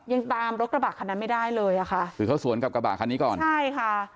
ยังตามรถกระบะคันนั้นไม่ได้เลยอ่ะค่ะคือเขาสวนกับกระบะคันนี้ก่อนใช่ค่ะ